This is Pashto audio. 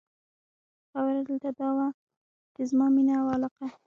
خبره دلته دا وه، چې زما مینه او علاقه.